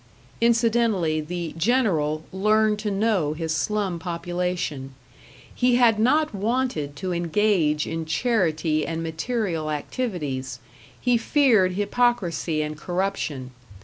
Incidentally the "General" learned to know his slum population. He had not wanted to engage in charity and material activities; he feared hypocrisy and corruption.